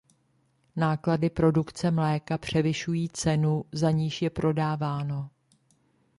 Náklady produkce mléka převyšují cenu, za níž je prodáváno.